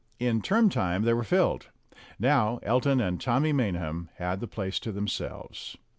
In term time they were rilled ; now Elton and Tommy Maynham had the place to themselves.